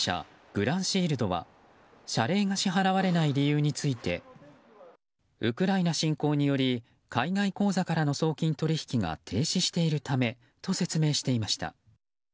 グランシールドは謝礼が支払われない理由についてウクライナ侵攻により海外口座からの送金取引が停止しているためと説明していました。